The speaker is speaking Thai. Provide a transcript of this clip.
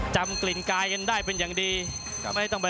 อ๋อจิมมี่เป็นไฟแรง